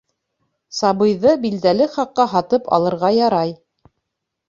Сабыйҙы билдәле хаҡҡа һатып алырға ярай.